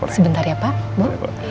sebentar ya pak bu